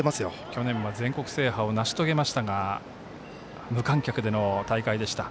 去年は全国制覇を成し遂げましたが無観客での大会でした。